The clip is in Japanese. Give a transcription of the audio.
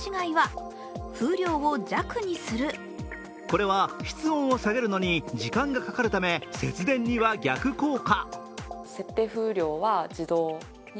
これは室温を下げるのに時間がかかるため節電には逆効果。